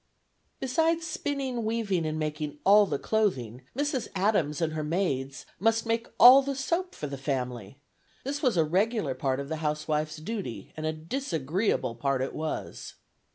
Beside spinning, weaving and making all the clothing, Mrs. Adams and her maids must make all the soap for the family; this was a regular part of the housewife's duty, and a disagreeable part it was.